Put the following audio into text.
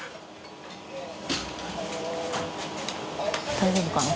大丈夫かな？